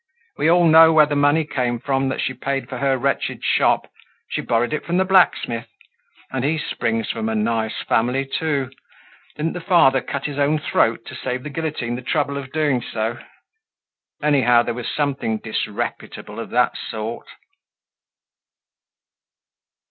"We all know where the money came from that she paid for her wretched shop! She borrowed it from the blacksmith; and he springs from a nice family too! Didn't the father cut his own throat to save the guillotine the trouble of doing so? Anyhow, there was something disreputable of that sort!"